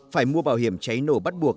phải mua bảo hiểm cháy nổ bắt buộc